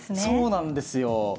そうなんですよ。